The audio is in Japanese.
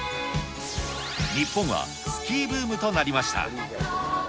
日本は、スキーブームとなりました。